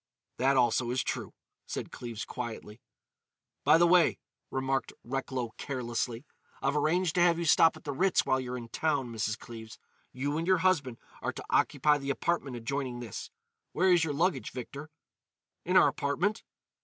"That also is true," said Cleves quietly. "By the way," remarked Recklow carelessly, "I've arranged to have you stop at the Ritz while you're in town, Mrs. Cleves. You and your husband are to occupy the apartment adjoining this. Where is your luggage, Victor?" "In our apartment."